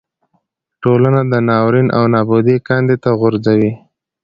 ټولنه د ناورین او نابودۍ کندې ته غورځوي.